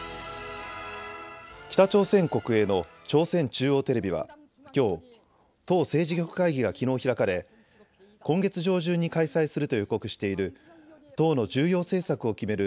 北朝鮮国営の朝鮮中央テレビはきょう党政治局会議がきのう開かれ今月上旬に開催すると予告している党の重要政策を決める